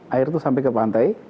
air itu sampai ke pantai